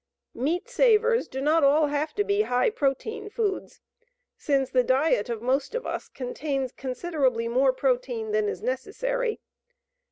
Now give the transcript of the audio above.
Meat savers do not all have to be high protein foods, since the diet of most of us contains considerably more protein than is necessary.